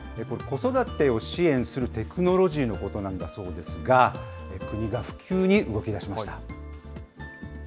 これ、子育てを支援するテクノロジーのことなんだそうですが、国が普及に動きだしました。